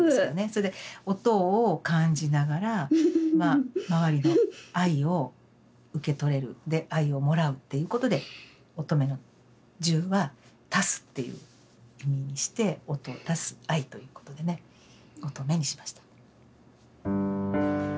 それで音を感じながら周りの愛を受け取れるで愛をもらうっていうことで音十愛の「十」は足すっていう意味にして音足す愛ということでね「音十愛」にしました。